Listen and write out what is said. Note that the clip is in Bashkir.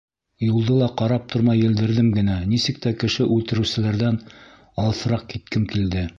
Юлды ла ҡарап тормай елдерҙем генә, нисек тә кеше үлтереүселәрҙән алыҫыраҡ киткем килде.